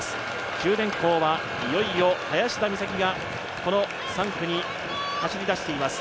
九電工はいよいよ林田美咲がこの３区に走り出しています。